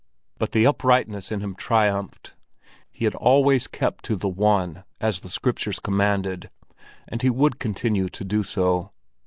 But the uprightness in him triumphed. He had always kept to the one, as the Scriptures commanded, and he would continue to do so.